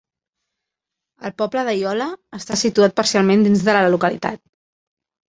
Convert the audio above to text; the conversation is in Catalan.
El poble de Iola està situat parcialment dins de la localitat.